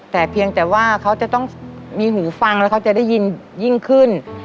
แต่เพียงแต่ว่าเขาจะต้องมีหูฟังแล้วเขาจะได้ยินยิ่งขึ้น